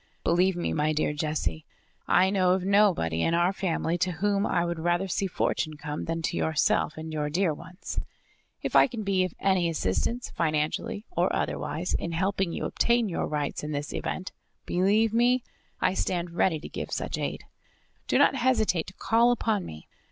"Believe me, my dear Jessie, I know of nobody in our family to whom I would rather see fortune come than to yourself and your dear ones. If I can be of any assistance, financially, or otherwise, in helping you obtain your rights in this event, believe me, I stand ready to give such aid. Do not hesitate to call upon me.